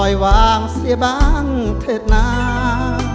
ไม่วางเสียบางเทศนา